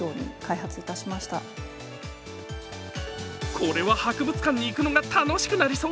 これは博物館に行くのが楽しくなりそう。